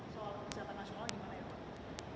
soal kesehatan nasional gimana ya pak